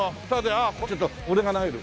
ああちょっと俺が投げる。